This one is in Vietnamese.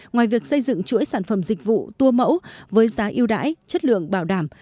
ngoài việc xây dựng chuỗi sản phẩm dịch vụ tua mẫu với giá yêu đãi chất lượng bảo đảm